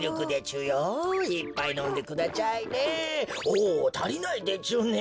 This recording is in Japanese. おたりないでちゅね。